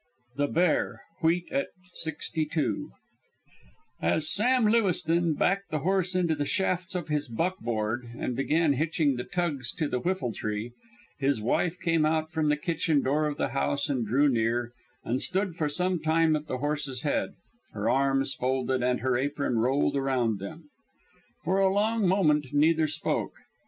THE BEAR WHEAT AT SIXTY TWO As Sam Lewiston backed the horse into the shafts of his backboard and began hitching the tugs to the whiffletree, his wife came out from the kitchen door of the house and drew near, and stood for some time at the horse's head, her arms folded and her apron rolled around them. For a long moment neither spoke.